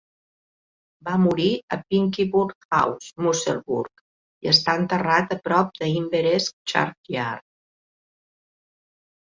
Va morir a Pinkieburn House, Musselburgh, i està enterrat a prop d'Inveresk Churchyard.